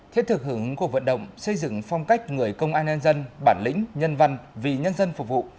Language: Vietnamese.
thiết thực hưởng cuộc vận động xây dựng phong cách người công an nhân dân bản lĩnh nhân văn vì nhân dân phục vụ